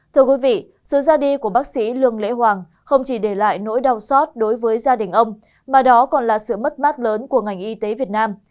thưa quý vị sự ra đi của bác sĩ lương lễ hoàng không chỉ để lại nỗi đau xót đối với gia đình ông mà đó còn là sự mất mát lớn của ngành y tế việt nam